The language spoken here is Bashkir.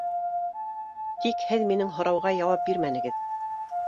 Тик һеҙ минең һорау- га яуап бирмәнегеҙ